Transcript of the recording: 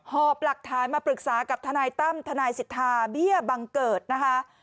หอบหลักฐานมาปรึกษากับทนายตั้มทนายสิทธาเบี้ยบังเกิดนะคะ